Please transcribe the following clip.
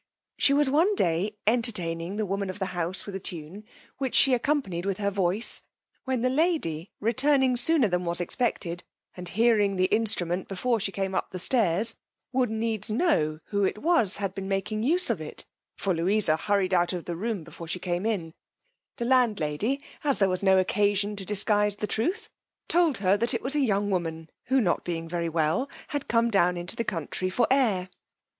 She was one day entertaining the woman of the house with a tune, which she accompanied with her voice, when the lady returning sooner than was expected, and hearing the instrument before she came up stairs, would needs know who it was had been making use of it; for Louisa hurried out of the room before she came in: the landlady, as there was no occasion to disguise the truth, told her that it was a young woman, who not being very well, had come down into the country for air.